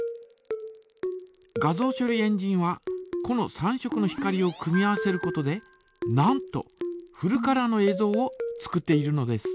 画像処理エンジンはこの３色の光を組み合わせることでなんとフルカラーのえいぞうを作っているのです。